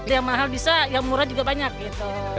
yang mahal bisa yang murah juga banyak gitu